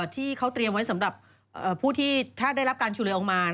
ที่เขาเตรียมไว้สำหรับผู้ที่ถ้าได้รับการช่วยเหลือออกมา